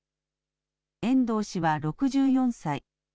遠藤氏は６４歳。